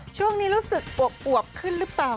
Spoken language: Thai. ช่วงนี้รู้สึกอวบขึ้นหรือเปล่า